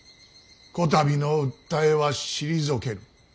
こたびの訴えは退ける。